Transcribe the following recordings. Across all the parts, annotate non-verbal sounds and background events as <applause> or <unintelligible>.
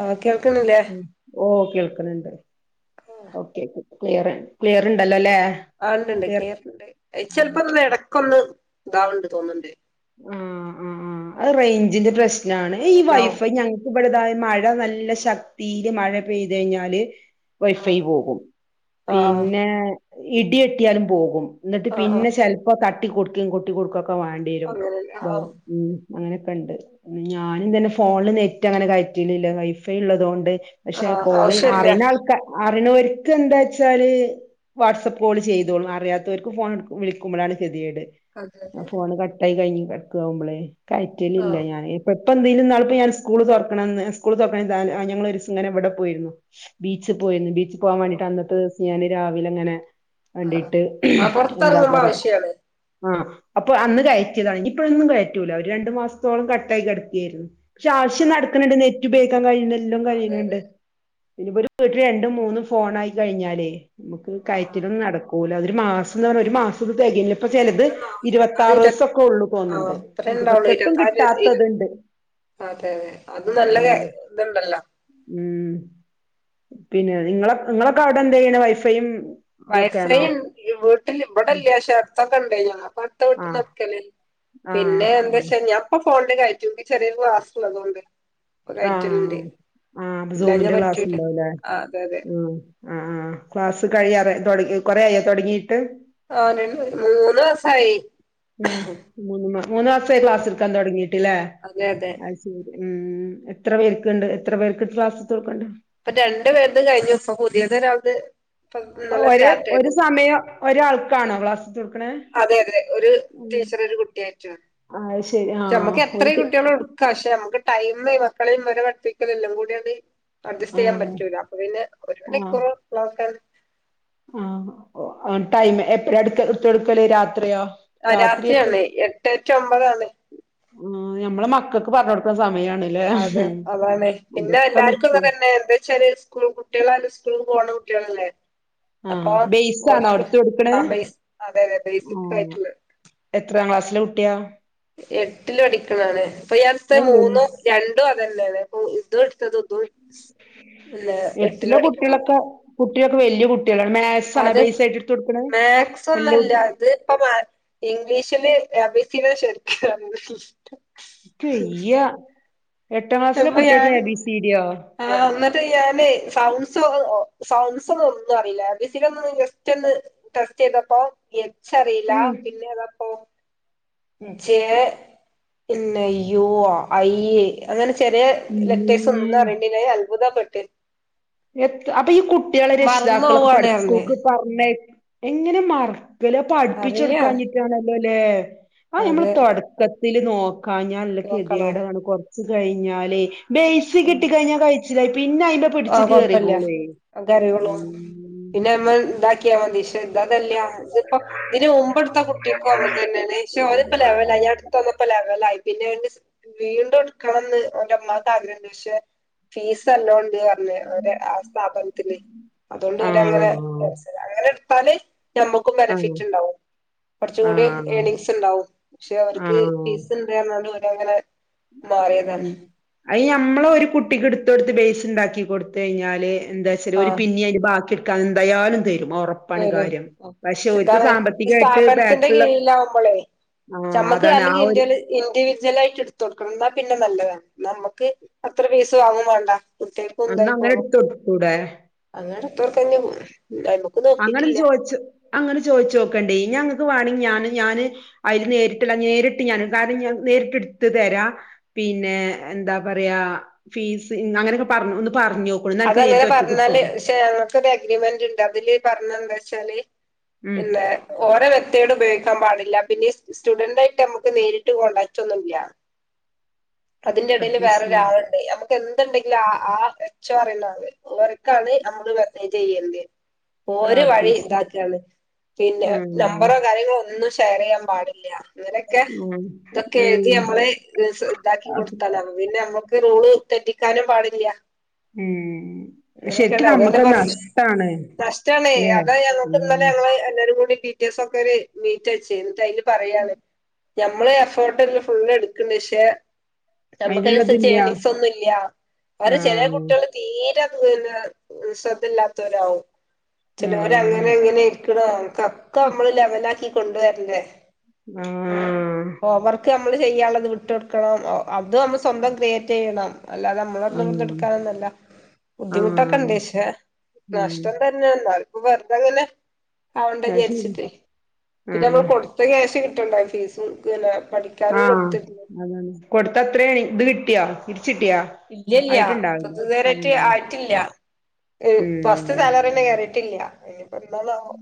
ആഹ് കേൾക്കണില്ലേ കേൾക്കുന്നുണ്ട് okay clear clear ഉണ്ടല്ലോ അല്ലേ ആ ഉണ്ട്ണ്ട് ക്ലിയർ ചിലപ്പോനിടക്കൊന്ന് ബാ ഉണ്ട് തോന്നണ്ട് ആ ആ ആ അത് റേഞ്ചിന്റെ പ്രശ്നമാണ് ഈ അതെല്ലാവും വൈഫൈ ഞങ്ങൾക്ക് ഇവിടതായ മഴ നല്ല ശക്തിയില് മഴ പെയ്ത് കഴിഞ്ഞാല്- വൈഫൈ ആഹ് പോകും ആഹ് പിന്നെ ഇടിയെട്ടിയാലും പോകും എന്നിട്ട് ആഹ് പിന്നെ ചിലപ്പോ ത- കൊടുക്കുംകൊട്ടി കൊടുക്ക- ഇപ്പൊ വേണ്ടിരും അങ്ങനെന്നെ ആഹ് ഉം അങ്ങനെയൊക്കെ ഉണ്ട് ഞാനും തന്നെ ഫോണില് നെറ്റ് അങ്ങനെ കയറ്റലില്ല വൈഫൈ ഉള്ളത് കൊണ്ട് പക്ഷെ ആഹ് കോളിൽ ആവശ്യല്ല അറിന്ന ആൾക്കാ- അരണവർക്ക് എന്താ വെച്ചാല് വാട്സ്ആപ്പ് കോള് ചെയ്തോളും അറിയാത്തവർക്ക് ഫോൺ എടു വിളിക്കുമ്പഴാണ് ഗതിയേട് ആഹ് ആ ഫോണ് കട്ടായി കയിഞ്ഞ് കിടക്കാവുമ്പളേ കഴറ്റലില്ല ആഹ് ഞാൻ ഇപ്പ ഇപ്പൊ എന്തേലും നാളപ്പോ ഞാൻ സ്കൂള് തൊറക്കണന്ന് സ്കൂള് തൊറക്കണതാ ആഹ് ഞങ്ങളൊരീസം ഇങ്ങനെ ഇ വിടെ പോയിരുന്നു ബീച്ചി പോയിരുന്നു ബീ പോവാൻ വേണ്ടിട്ട് അന്നട്ട് ഞാന് രാവിലങ്ങനെ വണ്ടിട്ട് ആഹ് എന്താ പൊറത്തെറങ്ങുമ്പോ പറയാ ആവശ്യാണ് ആ അപ്പൊ അന്ന് കയറ്റിയതാണെങ്കി ഇപ്പഴൊന്നും കയറ്റൂല ഒരു രണ്ടു മാസത്തോളം കട്ടായി കിടക്കായിരുന്നു. പക്ഷെ ആവശ്യം ആഹ് നടക്കുണുണ്ട് നേ ഉപയോഗിക്കാൻ കഴിയുന്ന് എല്ലും അതെ കഴിയണണ്ട്. അതെ ഇനിപ്പോ ഒരു വീട്ടില് രണ്ടും മൂന്നും ഫോണായി കഴിഞ്ഞാലേ നമുക്ക് ആഹ് കയറ്റിലൊന്നും നടക്കൂല. മാസം ന്ന് ഒരു മാസത് തെകയില്ല ചെലത് ഇരുപത്താറോസം ഒക്കെള്ളൂ ആ അത്ര ഇണ്ടാവുള്ളൂ ഇരുപത്താറ് ഇരുവത്ത അതെ അതെ അത് നല്ല ഉം ഇതുണ്ടല്ലോ ഉം പിന്നെ നിങ്ങള് നിങ്ങളൊക്കെ അവിടെ എന്താ ചെയ്യണ് വൈഫൈയും വൈഫൈ ഇതൊക്കെയാണോ ണ് വീട്ടില് ഇവിടല്ല പക്ഷെ അടുത്തൊക്കെണ്ടേനി അപ്പൊ അടുത്ത വീട്ട്ന്നാ ആഹ് ഇട്കല്. ആഹ് പിന്നെ എന്താ വെച്ചാ ഞാപ്പം ഫോണില് കയറ്റും ഇച്ച് ചെറിയൊരു ക്ലാസുള്ളതോണ്ട് ആഹ് ആഹ് അപ്പൊ ഇല്ലാഞ്ഞാ സൂമിന്റെ ക്ലാസ് പറ്റൂല ഉണ്ടാവുല്ലേ ആഹ് അതെ അതെ ഉം ആ ആ ക്ലാസ് കഴിയാറാ തൊടി കൊറെയായോ തുടങ്ങി ട്ട് ആഹ് മൂന്ന് മാസായി ഉം മൂന്ന് മൂന്ന് മാസായി ക്ലാസ്ടുക്കാൻ തുടങ്ങിട്ട് ലേ അതെ അതെ അത് ശരി ഉം എത്ര പേർക്കുണ്ട് എത്ര പേർക്ക് ക്ലാസ് എടുത്ത് കൊട്ക്ക്ണ്ട് ഇപ്പൊ രണ്ടു പേര്ത് കഴിഞ്ഞു ഇപ്പം പുതിയ ഒരാള്ത് ഒരെ ഒരു സമയം ഒരാൾക്കാണോ ക്ലാസ്ടുത്ത് കൊടുക്കുന്നേ അതെ അതെ ഒരു ടീച്ചർ ഒരു ആ, അത് ശരി കുട്ടിയായിട്ടാ ആഹ് അമ്മക്ക് ഒരു എത്രയും ടീ കുട്ടികളെ എടുക്കാം പക്ഷെ നമുക്ക് ടൈമേ മക്കളെയും വരെ പഠിപ്പിക്കല് എല്ലാം കൂടിയത് അഡ്ജസ്റ്റ് ചെയ്യാൻ ആഹ് പറ്റൂല അപ്പൊ പിന്നെ ഒരു മണിക്കൂറോ ക്ലാസ്സ ആ ടൈം എപ്പഴാ എട്ത് ഇട്ത്ത് കൊടുക്കല് രാത്രിയോ രാത്രി എപ്പ രാത്രിയാണ് എട്ടെ റ്റു ഒമ്പതാണ് ഞമ്മള മക്കക്ക് പറഞ്ഞ്ടുക്കുന്ന സമയ അതെ അതാണ് പിന്നെ അതൊക്കെ എല്ലാർക്കും നിക്കും അതന്നെ എന്താ വച്ചാല് സ്കൂൾ കുട്ടിളായാൽ സ്കൂൾക്ക് പോണം കുട്ട്യേളല്ലേ ആ ബേയ്സാണോ എടുത്ത് കൊട്ക്ക്ണേ ആ ബേസ് അതെ അതെ ബേസിക് ഉം ആയിട്ടുള്ള എത്രാം ക്ലാസ് നല്ല കുട്ട്യാ എട്ടില് പഠിക്കണാണ് ഇപ്പയട്ത്ത് ഏഹ് വൽ മൂന്നു രണ്ടും അത് തന്നെയാണ് ഓഹ് ഇത് എടുത്ത് ഇത് എടു എട്ടിലെ കുട്ടികളൊക്കെ കുട്ടിയാ കു ട്ടി വലിയ കു അത് മാക്സ് എല്ലോ ഒന്നുല്ല അത് ഇപ്പം ഇംഗ്ലീഷില് നബിസിനെ ശരിക്ക് പറ ക്ക് വയ്യാ എന്ന് ഞാൻ ആ എന്നിട്ട് ഞാനേ സൗ സോ സൗണ്ട്സ് ഒന്നു ഒന്നും അറിയില്ല A B C D just ഒന്ന് ടെസ്റ്റ് ചെയ്തപ്പോ റിയില്ല ഉം പിന്നെ അതാപ്പം ജെ പിന്നെ യുവോ ഐ അങ്ങനെ ചെറിയ ലെറ്റേഴ്സ് ഒന്നും അറിയണനില്ല ആഹ് അത്ഭുതപ്പെട്ട ട്ടെ ഏഹ് അപ്പൊ ഈ കുട്ടികളെ മറന്നു രക്ഷിതാക്കളൊക്കെ പോവാണ് പഠിച്ച പറഞ്ഞ് സ്കൂളിലേക്ക് പറഞ്ഞായി എങ്ങനെ മാറ <unintelligible> അറിയില്ല പഠിപ്പിച്ചെടുക്കാഞ്ഞിട്ടാണല്ലോ ലെ ആ ഞമ്മള് അതെ തുടക്ക തില് നോക് കഴിഞ്ഞാൽല്ല നോക്കണോ കെത്യേട് ങ്ങട്ട് കൊ ച്ച് കയ്ഞ്ഞാലേ ബേസി കിട്ടികയ്ഞ്ഞാ കഴി <unintelligible> പിന്നെ അയ്ന്റെ പിട് ആ കൊഴപ്പല്ല <unintelligible> ഉം ത്യാ മതി ക്ഷെ ഇതതല്ല ഇത്പ്പോ തിന് മുമ്പ്ട്ത്ത കുട്ടിക്കു അങ്ങൻ തന്നാണ് ക്ഷെ ഓന്പ്പം ലെവലായി ഞ് അട്ത്തൊന്നുംപ്പോ ലെവലായി പിന്നെ ഓന്സ് വീണ്ടും ഇട്ക്കണന്ന് ഓന്റെ മ്മാക്ക് ആഗ്രഹണ്ട് പക്ഷെ ഫീസ് അല്ലോ ണ്ട് അർഞ്ഞ് അവരെ ആ സ്ഥാപനത്തില് അതോണ്ട് അവരങ്ങനെ ആഹ് അങ്ങനെ തലെ നമ്മക്കും ആഹ് ബെനഫിറ്റ് ണ്ടാവും കൊർച്ചു കൂടി ആഹ് ഏണിംഗ്സ്ണ്ടാവും പക്ഷെ അവർക്ക് ആഹ് ഫീസ്ണ്ട് പർഞ്ഞാണ്ട് അങ്ങനെ ഉം അയ് ഞമ്മളൊരു കുട്ടിക്ക് ഇട് ട്ത്തൊട്ത്ത് ബേസ് ണ്ടാക്കി കൊട്ത്തയ്ഞ്ഞാല് എന്താച്ചൽ ഒരു ആഹ് പിന്നെ അതിന് ബാക്കി <unintelligible> കാര്യം പക്ഷെ ഓര്ക്ക് <unintelligible> ഈ സാമ്പത്തികായിട്ട് സ്ഥാപനത്തിന്റെ ബാക്കിള്ള കീഴിലാകുമ്പോളേ ആഹ് നമ്മക്ക് അതാണ് ആ അല്ലെങ്കിൽ ഒരു ഇൻഡിവിജ്വൽ ആയിട്ട് ഇടുത്ത് കൊടുക്കണം ന്നാ പിന്നെ നല്ലതാ നമ്മുക്ക് അത്ര ഫീസ് വാങ്ങും വേണ്ട കുട്ടികൾക്കും അന്നാ അങ്ങനെ എടുത്തൊടുത്തുക്കൂടെ പ്പത്തന്നെയും അങ്ങനൊന്ന് ചോദിച്ച് അങ്ങനെ ചോദിച്ചു നോക്കണ്ടേ ഞാൻ വാണെ ഞാന് ഞാന് അതില് നേരിട്ടുള്ള നേരിട്ട് ഞാന് നേരിട്ട് എടുത്ത് തരാം പിന്നെ എന്താ പറയാ ഫീസ് അങ്ങനക്കെ പറ അതങ്ങനെ പറഞ്ഞാല് പക്ഷെ ഞങ്ങൾക്കത് ഒരു എഗ്രിമെന്റ് ഉണ്ട് അതില്- പറഞ്ഞ എന്താ വെച്ചാല് ഉം ഇല്ല ഓര വ <unintelligible> ട് ഉപയോഗിക്കാൻ പാടില്ല പിന്നെ സ്റ്റുഡന്റ് ആയിട്ട് നമുക്ക് നേരിട്ട് കോണ്ടാക്റ്റ് ഒന്നുംല്യ അതിന്റെ ഇടയിൽ അത് ശരി വേറൊരാളുണ്ട് ന എന്തിണ്ടെങ്കിലും ആ ആ കുച്ച പറയന്നവർക്ക് അവർക്കാണ് നമ്മള് വെറുതെ ചെയ്യണ്ടിത് ഒരു അത് വഴി ശരി ഇതാക്കാണ് പിന്നെ ഉം നമ്പറോ കാര്യങ്ങളോ ഒന്നും ഷെയർ ചെയ്യാൻ പാടില്ല ഇവനക്കെ ഉം ഇതൊക്കെ ഉം എഴുതി നമ്മള് ഇതാക്കി അത് കൊടുത്താന പിന്നെ നമ്മ- റൂള് തെറ്റിക്കാനും പാടില്ല ഉം ശരിക്കും അങ്ങനെയൊക്കെല്ല അതല്ലേ നമ്മക്ക് പറഞ്ഞത് നഷ്ടാണ് നഷ്ട്ടാണേ ല്ലേ അതാ അങ്ങോട്ട് ഉം ഇന്നലെ ഞങ്ങള് എല്ലാരും കൂടി പി ടി എസ് ഒക്കെ ഒരു മീറ്റ് വെച്ച് എന്നിട്ട് അയില് പറയ്യാണ് ഞമ്മള് എഫേർട്ട് എല്ലാ ഫുള്ള് എടുക്കണ്ട് പക്ഷേ നമുക്ക് അതിനനുസരിച്ച് അയിന്ള്ളതില്ല ഏർണിങ്സ് ഒന്നുല്ലാ അവരെ ചെലേ കു ആഹ് തീരെ പിന്നെ ശ്രദ്ധയില്ലാത്തവരാവും. ചിലവര് ആഹ് അങ്ങനെ എങ്ങനെ ഇരിക്കണൊക്കെ നമ്മള് ലെവലാക്കി കൊണ്ടുവരണ്ടേ? ആഹ് ഹോംവർക്ക് നമ്മള് ചെയ്യാനുള്ളത് വിട്ട് കൊടുക്കണം അത് നമ്മള് സ്വന്തം ക്രിയേറ്റ് ചെയ്യണം. അല്ലാതെ നമ്മളൊന്നൊന്നും ആഹ് എടുക്കാനല്ല. ബുദ്ധിമുട്ടൊക്കെ ആഹ് ഉണ്ട് ക്ഷേ ഉം നഷ്ടം തന്നെ <unintelligible> വെറുതങ്ങനെ ആവണ്ടാ അത് ശരി വിചാരിച്ചിട്ട് പിന്നെ ആഹ് നമ്മൾ കൊടുത്ത ക്യാഷ് കി ട്ടുണ്ടായി <unintelligible> ആ അതെ കൊടുത്തത്രയും ഇത് കി ഇല്ലില്ല്യ കുറച്ചു നേരായിട്ട് ഉം ആയിട്ടില്ല ഉം ഫസ്റ്റ് സാലറിന്നെ കേറിയിട്ടില്ല എ എന്നാണാവോ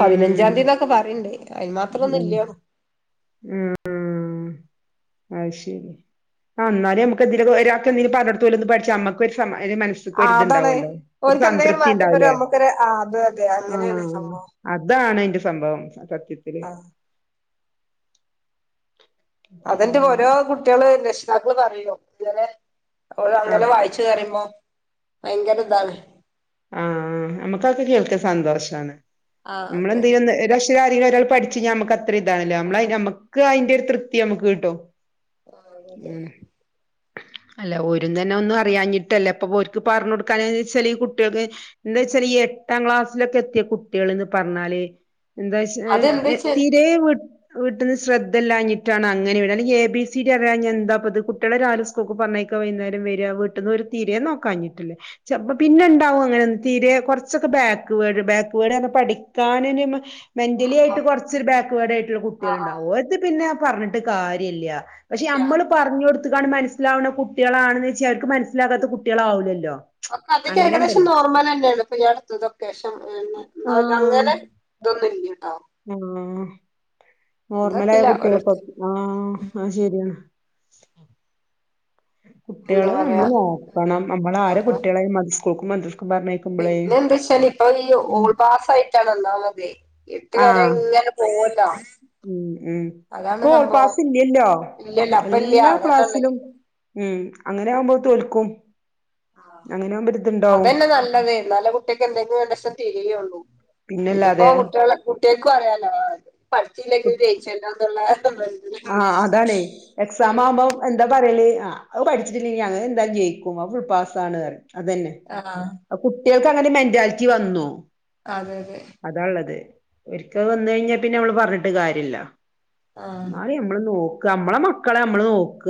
പതിനഞ്ചാം ന്തിയേന്നൊക്കെ പറയ ണിണ്ട് അയിന് മാത്രൊന്നും ഉം ഇല്ല്യ ഉം അത്ശരി ആ ന്നാലും മുക്ക് എന്തേലും ഒരാൾക്ക് എന്തേലും പടഞ്ഞുല്ലോന്ന് പഠിച്ച നമ്മക്ക് ഒരു സമാ അയി ന്റെ മനസ്സിക്ക് ആ അതാണ് ഒരിതുണ്ടാവാല്ലോ ഒരു ഓര്ക്ക് എന്തെങ്കിലും സംതൃപ്തി മാറ്റം ഉണ്ടാവോലേ വരും നമ്മുക്കൊരു ആ അത് അതെ ആ അങ്ങനെയാണ് സംഭവം അതാണ് അ സംഭവം ത്തില് ആ അതിന്റെ പിന്നെ ഓരോ കുട്ടികള് ര താകള് പറയോ ഇവരെ ഒ ആഹ് അങ്ങലെ വായിച്ചു കയുമ്പോ ഭയങ്കര ഇതാണ് ആ നമ്മക്കൊക്കെ കേൾക്ക സന്തോഷാണ് ആ നമ്മള് അതെ എന്ത് ചെയ്യോ ഇതിൽ ആരെങ്കിലും ഒരാൾ പഠിച്ച്ഞാൽ നമ ത്ര ഇതാണല്ലോ ആ നമ്മൾ അയിന് നമക്ക് അതിന്റെ ര് തൃപ്തി നമുക്ക് കിട്ടും ആ അതെ ഉം അല്ല ഓരും തന്നെ ഒന്നും അറിയാഞ്ഞിട്ടല്ലേ ഇപ്പൊ ഓർക്ക് പറഞ്ഞ് കൊടുക്ക കാന്ന് വെച്ചാൽ ഈ കുട്ടികൾക്ക് എന്താ വെച്ചാല് ഈ എട്ടാം ക്ലാസ്സിലൊക്കെ എത്തിയ കുട്ടികൾ എന്ന് പറഞ്ഞാല് എന്താച്ച അതെന്താച്ചാ തീരെ വിട്ട വീട്ടിന്ന് ശ്രദ്ധല്ലാഞ്ഞിട്ടാണ് അങ്ങനെ അല്ലെങ്കിൽ എ ബി സി ഡി അറിയാഞ്ഞാൽ എന്താ അത് കുട്ടികള ആരും സ്കൂൾക്ക് പറഞ്ഞയക്ക വൈകുന്നരം വരിക വീട്ടിന്ന് ഒരു തിരെ നോക്കാഞ്ഞിട്ടില്ലേ പിന്നെണ്ടാവും അങ്ങനെ തീരെ കുറച്ചൊക്കെ ബാക്ക് വേഡ് ബാക്ക്വേഡ് പഠിക്കാനന്ന് മെന്റലി ആയിട്ട് കുറച്ച് ബാക്ക്വേർഡ് ആയിട്ടുള്ള ആ കുട്ടികൾ ആ ഉണ്ടാവും ഓര്ത് പിന്നെ പറഞ്ഞിട്ട് കാര്യല്ല പക്ഷെ ഇല്ല നമ്മള് പറഞ്ഞുകൊടു മനസ്സിലാവുണ കുട്ടികളാണെന്ന് വെച്ചാ അവർക്ക് മനസ്സിലാത്ത കുട്ടികളാവില്ലല്ലോ അപ്പൊ അതൊക്കെ ഏകദേശം നോർ അത തന്നെയാണ് ഇപ്പൊഈ അടുത്തതൊക്കേഷം അങ്ങനെ ഇതൊന്നുമില്ല ആ നോർമലായ എന്താറിയില്ല കുട്ടികൾക്കെ ഓരോരുത്തര് ആ ആയ് ശരിയാണ് എന്താ കുട്ടികള് നമ്മള് പറയാ നോക്കണം നമ്മള് ആരെ നോക്കണം കുട്ടികളെയും മതി കൊക്കമ ദൃഷ് പിന്നെ എന്താ വെച്ചല് ഇപ്പ ഈ ഉം ഓൾപാസ് ആയിട്ടാണ് ഒന്നാമതി എട്ട് വരെ ഇങ്ങനെ പോവോലോ. മ് മ് ഇപ്പോ ഓൾ പാസ് ഇല്ലല്ലോ ഇല്ലല്ല അപ്പ ഇല്ല എല്ലാ അതന്നെയല്ലേ ക്ലാസിലും മ് അങ്ങനെ ആകുമ്പോ തോൽക്കും. ആ അങ്ങനെ ആകുമ്പോ ഒരിതുണ്ടാവും അതന്നെ നല്ലത് എന്നലല്ലേ കുട്ടിക്ക് എന്തെങ്കിലും രണ്ട് അക്ഷരം തിരിയൊള്ളു. ഇതിപ്പോ പിന്നല്ലാതെ കുട്ടികളെ കുട്ടികക്കും അറിയാല്ലോ പഠിച്ചില്ലെങ്കിൽ ജയിച്ചല്ലോ എന്നുള്ള ആ അതാണ് എക്സാം ആവുമ്പോ എന്താ പറ <unintelligible> ആ അവ് പഠിച്ചിട്ടില്ലെങ്കി അങ്ങനെ എന്തായാലും ജയിക്കും ഫുൾ പാസാണ്. അതന്നെ ആഹ് ആ കു കുട്ടികൾക്ക് അങ്ങനെ മെന്റാലിറ്റി വന്നു. അതെ അതെ അതാ ഇള്ളത്. ഒരിക്ക വന്ന കഴിഞ്ഞാ പിന്നെ നമ്മള് പറഞ്ഞിട്ട് കാര്യല്ല. ആഹ് നളെയ നമ്മള് നോ ക്ക നമ്മളെ മക്കളെ നമ്മള് നോക്ക.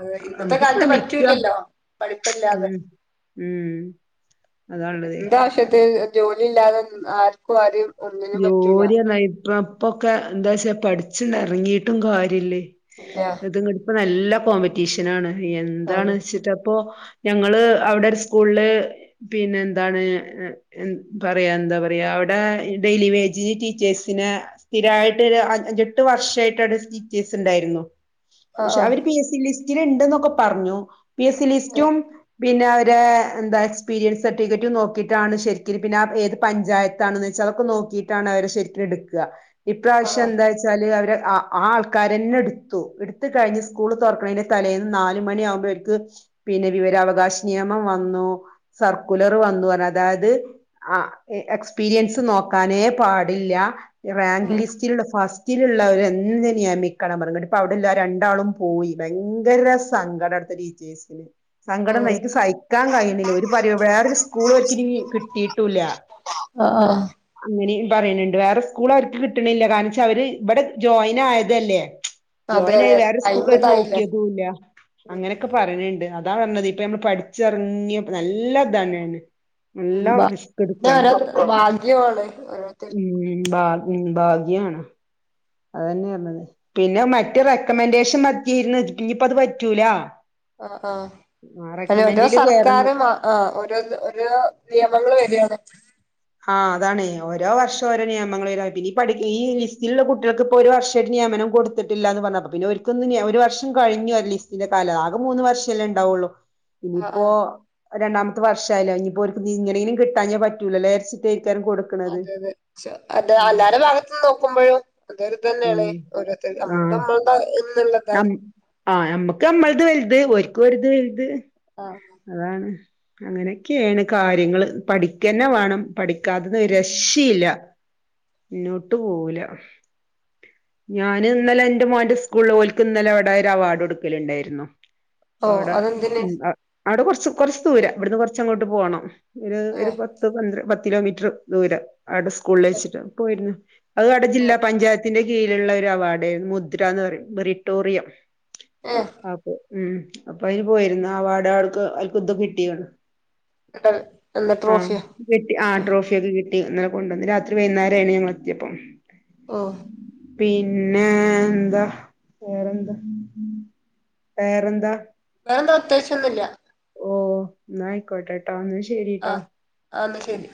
അതെ ഇന്നത്തെ നമുക്ക് കാലത്ത് ശ്രമിക്ക പറ്റൂല്ലല്ലോ പഠിപ്പില്ലത് ഉം ഉം അതാള്ളതേ എന്താ ആശ്യത്തിന് ജോലിയില്ലാതെ ആർക്കും ആരെയ്യും ജോലിയന്നാ ഇപ്പം ഇപ്പൊക്കെ എന്താ വച്ച പഠിച്ചി ന്നെറാങ്ങിയിട്ടും കാര്യഇല്ലേ ഇല്ല അതുകടുപ്പ നല്ല നല്ല കോമ്പറ്റീഷൻ ആണ് എന്താണ് ആന്ന് വെച്ചിട്ടപ്പൊ ഞങ്ങള് അവിടൊരു സ്കൂളില് പിന്നെ എന്താണ് എ പറയാ എന്താ പറയാ അവിടെ ഡെയിലി വേജന് ടീച്ചേഴ്സിനെ സ്ഥിരയിട്ട് ഒരു ആഞ്ചേ എട്ട് വർഷയിട്ട് അടെ ടീച്ചേഴ്സ് ഇണ്ടായിരുന്നു ആഹ് പക്ഷെ അവര് പി ആഹ് എസ് സി ലിസ് റ്റില് ഇണ്ടെന്നൊക്കെ പറഞ്ഞു പി എസ് സി ലിസ്റ്റും പിന്നെ അവരെ എന്താ എക്സ്പീരിയൻസ് സർട്ടിഫിക്കറ്റ് നോക്കിയിട്ടാണ് ശരിക്കിനും പിന്നെ ഏത് പഞ്ചായത്താണെന്ന് വെച്ച ഒക്കെ നോക്കിയിട്ടാണ് അവരെ ശരിക്കും എടുക ഇപ്രാവശ്യം ആഹ് എന്താ വച്ചാല് അവരെ ആ ആ ആൾക്കാരന്നെ എടുത്തു എടുത്ത കഴിഞ്ഞ് സ്കൂൾ തുറക്കണന് തലേന്ന് നാല മണിയ ആകുമ്പോൾ അവർക്ക് പിന്നെ വിവരാവകാശ നിയമം വന്നു സർക്കുലർ വന്നു അതായത് എക്സ്പീരിയൻസ് നോ കാനേ പാടില്ല റാങ്ക് ആഹ് ലിസ്റ്റിലുള്ള ഫസ്റ്റ് ലിസ്റ്റലുള്ളവര് എന്തമിക്കണം പറഞ്ഞ കേട്ട് ഇപ്പ അവിടെല്ല രണ്ടാളും പോയി ഭയങ്കര സങ്കടം അവിടെത്തെ ടീച്ചേഴ്സിന്- സങ്കടം ഉം എനിക്ക് സഹിക്കാൻ കഴിയുന്നില്ല ഒരു വേറൊരു സ്കൂൾ അവർക്കിനി കിട്ടിയിട്ടുല്ല ആഹ് ആഹ് അങ്ങനെയും പറയണണ്ട് വേറെ സ്കൂൾ അവർക്ക് കിട്ടണില്ല കാരണം വച്ചാ അവര് ഇവിടെ ജോയിൻ ആയതല്ലേ അതെ ജോയിൻ ആയി അതെ വേറെ ടൈമ് സ്കൂൾക്ക് ഇതായില്ലേ നോക്കിയതുല്ല ഉം അങ്ങനൊക്കെ പറയണ്ട് അതാ പറഞ്ഞത് ഇപ്പൊ നമ്മള് പഠിച്ചിറങ്ങി നല്ലയിതാണ് മ്പ തോരോ ഭാഗ്യ ഉം ബാ ഉം ബാ ഞാണ് <unintelligible> അതെന്നെറണെത് പിന്നെ മറ്റ് റെക്കമെന്റേഷൻ പറ്റിരുന്ന് ഞ്ഞിപ്പത് പറ്റൂല ആ ആഹ് അന്നെ ഓരോ റെക്കമെന്റില് കേറണം സർക്കാരും ആ ആഹ് ഓരോ രോ നിയമങ്ങള് വരു ആണ് ആഹ് അതാണ് ഓരോ വർഷം ഓരോ നിയമങ്ങള് വര പഠിക്ക ഈ ലിസ്റ്റില്ള്ള കു കുട്ട്യക്ക് പ്പോ ഒരു വർഷമായിട്ട് നിയമനം കൊട്ത്തിടുട്ടില്ല ന്ന് പറഞ്ഞപ്പ പിന്നെ ഒർക്കൊന്ന് ഒരു വർഷം കഴിഞ്ഞു ലിസ്റ്റന്റെ കാലം അ ആകെ മൂന്ന് വർഷമല്ലേ ഉണ്ടാവുള്ളു ആഹ് ആഹ് ഇനിയിപ്പോ- രണ്ടാമത്തെ വർഷായില്ലെ ഇനിപ്പോ ഓരിക്ക് ദി ഇങ്ങനെങ്കിലും കിട്ടാഞ്ഞെ പറ്റൂലല്ലേരി ച്ചിട്ടേ അതെ അതെ ച എല്ലാ അല്ലാരുടെ ഭാഗത്തന്ന് നോക്കുമ്പോഴും അതൊരിതന്നെയാണ് ഉം ഓരോരുത്തർ നമ്മുക്ക് നമ്മൾടെ എന്നിള്ളതാണ്. ആഹ് നമ്മക്ക് നമ്മളത് വലുത് ഓരിക്ക് ഓരിത് വലുത്. ആഹ് അതാണ് അങ്ങനെയൊക്കേണ് കാ ര്യങ്ങള് പഠിക്കന്നെ വേണം. പഠിക്കാത്തത് രക്ഷയില്ല മുന്നോട്ട് പോവൂല. ഞാന് ഇന്നലെ എന്റെ മോൻ്റെ സ്കൂളില് ഓലിക്ക് ഇന്നലെ അവിടൊരു അവാർഡ് കൊടുക്കലിണ്ടായിരുന്നു. ഓഹ് അപ്പവിട അതെന്തിന് <unintelligible> അവിടെ കൊറച്ച് കൊറച്ച് ദൂരം ഇവിടുന്ന് കൊറച്ചങ്ങോട്ട് പോണം. ഒര് ഒരു ഏഹ് പത്ത് പന്ത്ര പ ത്ത് കിലോമീറ്ററ് ദൂരം. അവിടെ സ്കൂളില് ഏഹ് വെച്ചിട്ടാ പോയിരുന്നു. അത് അവിടെ ജില്ലാ പഞ്ചായത്തിന്റെ കീഴിലുള്ള ഒരു അവാർഡാരുന്നു മുദ്ര എന്ന് പറയും ബെറിട്ടോറിയം. ഏഹ് ഏഹ് ആപ്പ് ഉം അപ്പൊ അയിന് പോയിരുന്നു അവാഡാണ് <unintelligible> കിട്ടിണത് എന്നിട്ട് ആഹ് ട്രോഫിയോ വ്യക്തി ആ ട്രോഫിയൊക്കെ കി ഇന്നലെ കൊണ്ടന്ന് രാത്രി വൈന്നേരായിണ് ഞങ്ങളെത്തിയപ്പം ഓ പിന്നെ എന്താ വേറെന്താ വേറെന്താ? അത്യാവശ്യം ഒന്നുല്ല ഓ ന്നാ ആയിക്കോട്ടെട്ടോന്ന് ഷ് ആ അഹ് ന്നാ ശരി